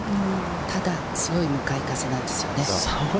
ただ強い向かい風なんですよね。